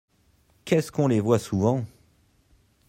Qu'est-ce qu'on les voit souvent !